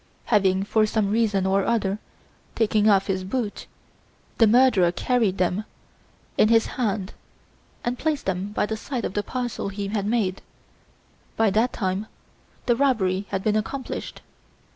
Having, for some reason or other, taken off his boots, the murderer carried them in his hand and placed them by the side of the parcel he had made, by that time the robbery had been accomplished.